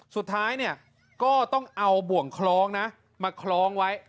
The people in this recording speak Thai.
สุดท้ายเนี่ยก็ต้องเอาบ่วงคล้องนะมาคล้องไว้